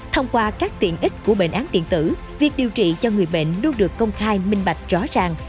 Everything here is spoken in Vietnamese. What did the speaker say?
thông qua các tiện ích của bệnh án điện tử việc điều trị cho người bệnh luôn được công khai minh bạch rõ ràng